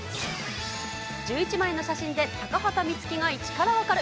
１１枚の写真で高畑充希が１から分かる！